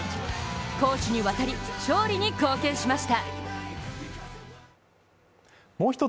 攻守にわたり勝利に貢献しました。